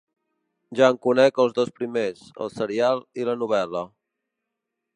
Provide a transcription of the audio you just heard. Ja en conec els dos primers, el serial i la novel·la.